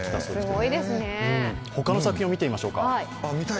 他の作品を見てみましょうか。